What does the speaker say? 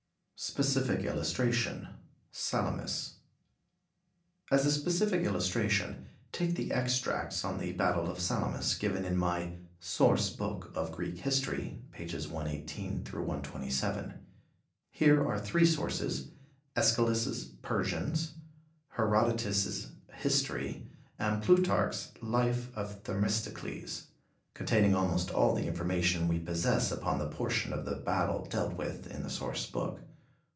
Specific Illustration Salamis. As a specific illustration, take the extracts on the battle of Salamis given in my "Source Book of Greek History" (pp. 118 127). Here are three sources, Æschylus' "Persians," Herodotus' "History" and Plutarch's "Life of Themistocles," containing almost all the information we possess upon the portion of the battle dealt with in the source book.